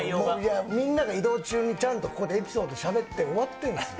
みんなが移動中にちゃんとここでエピソードしゃべって、終わってるんですよ。